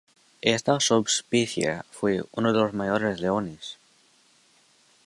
Esta subespecie fue uno de los mayores leones.